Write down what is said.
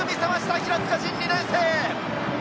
平塚仁、２年生。